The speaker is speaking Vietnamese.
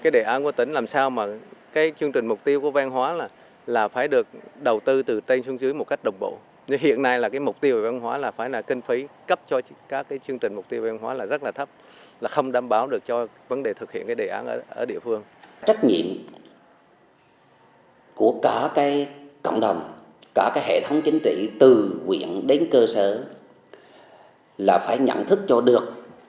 đề án của cả cộng đồng cả hệ thống chính trị từ quyện đến cơ sở là phải nhận thức cho được